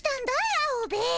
アオベエ。